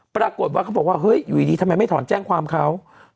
ปรากฏว่าเขาบอกว่าเฮ้ยอยู่ดีทำไมไม่ถอนแจ้งความเขา